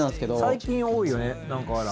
最近多いよね亜嵐。